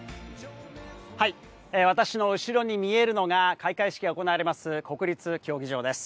私の後ろに見えるのが開会式が行われます国立競技場です。